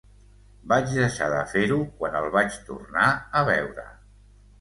Vaig deixar de fer-ho quan el vaig tornar a veure.